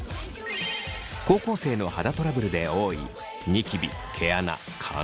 高校生の肌トラブルで多いニキビ毛穴乾燥。